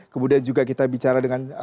kemudian juga kita bicara dengan